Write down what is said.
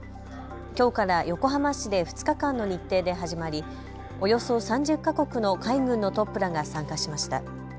きょうから横浜市で２日間の日程で始まり、およそ３０か国の海軍のトップらが参加しました。